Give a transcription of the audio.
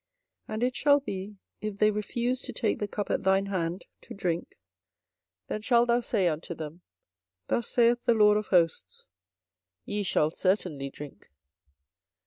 24:025:028 And it shall be, if they refuse to take the cup at thine hand to drink, then shalt thou say unto them, Thus saith the LORD of hosts; Ye shall certainly drink.